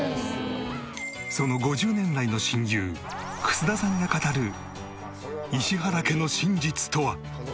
その５０年来の親友楠田さんが語る石原家の真実とは？